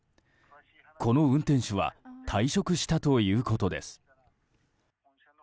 この運転手は退職したということです。